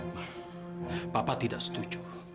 ma papa tidak setuju